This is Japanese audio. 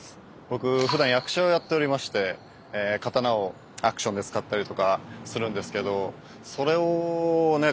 僕ふだん役者をやっておりまして刀をアクションで使ったりとかするんですけどそれをね